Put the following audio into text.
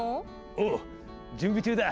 おう準備中だ。